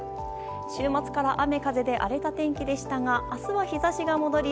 週末から雨風で荒れた天気でしたが明日は日差しが戻り